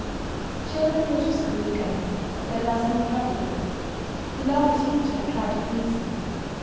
The children go to school again, but that does not trouble them. They love their teacher and try to please him.